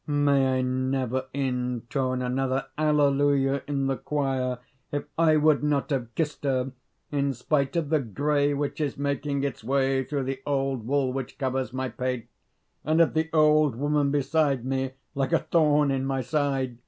may I never intone another alleluia in the choir, if I would not have kissed her, in spite of the grey which is making its way through the old wool which covers my pate, and of the old woman beside me, like a thorn in my side!